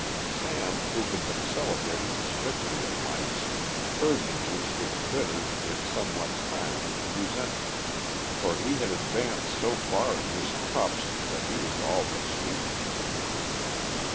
Sam, who had been celebrating his victory at Mike's, heard the news with bitter, if somewhat silent resentment, for he had advanced so far in his cups that he was all but speechless.